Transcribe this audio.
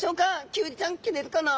キュウリちゃん切れるかな？